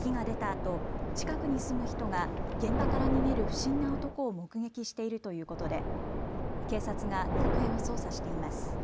火が出たあと近くに住む人が現場から逃げる不審な男を目撃しているということで警察が行方を捜査しています。